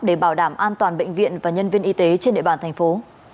để bảo đảm an toàn bệnh viện và nhân viên y tế trên địa bàn thành phố